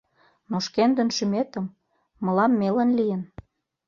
Но шкендын шӱметым, мылам мелын лийын